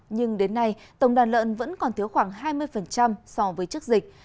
nhưng đến nay tổng đàn lợn vẫn còn thiếu khoảng hai mươi so với trước dịch